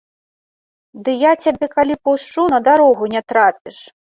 Ды я цябе калі пушчу, на дарогу не трапіш!